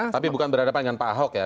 tapi bukan berhadapan dengan pak ahok ya